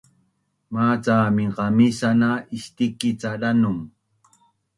maca minqamisanin na istikic ca danum